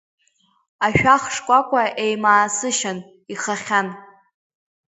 Ашәах шкәакәа еимаа сышьан, ихахьан.